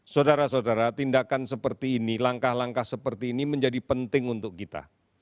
saudara saudara tindakan seperti ini langkah langkah seperti ini menjadi penting untuk kita